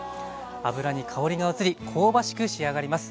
油に香りが移り香ばしく仕上がります。